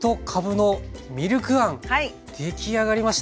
出来上がりました。